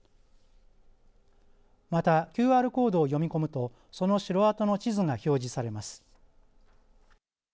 またＱＲコードを読み込むとその城跡の地図が表示されます。